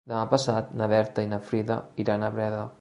Demà passat na Berta i na Frida iran a Breda.